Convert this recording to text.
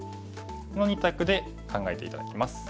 この２択で考えて頂きます。